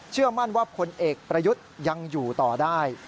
เชื่อมั่นว่าพลเอกประยุทธ์ยังอยู่ต่อได้